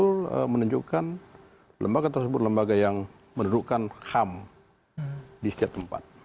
kami berhasil menunjukkan lembaga yang menerukan ham di setiap tempat